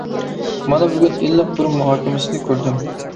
مانا بۈگۈن ئىللىق بىر مۇھاكىمىسىنى كۆردۈم.